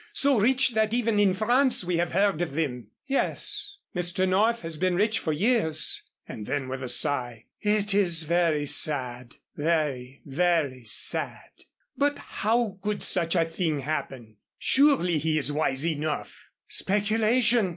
So rich that even in France we have heard of them." "Yes Mr. North has been rich for years," and then with a sigh, "It is very sad very, very sad." "But how could such a thing happen? Surely he is wise enough " "Speculation!"